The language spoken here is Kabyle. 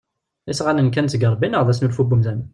Isɣanen kkan-d seg Ṛebbi neɣ d asnulfu n umdan?